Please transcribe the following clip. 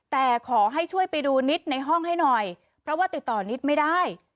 แต่ขอให้ช่วยไปดูนิดในห้องให้หน่อยเพราะว่าติดต่อนิดไม่ได้